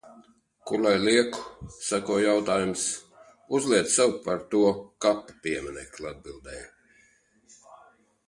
"Kur lai lieku?" sekoja jautājums. "Uzliec sev par to kapa pieminekli," atbildēju.